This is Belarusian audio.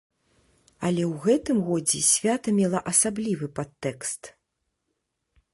Але ў гэтым годзе свята мела асаблівы падтэкст.